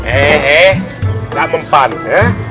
eh eh eh gak mempan ya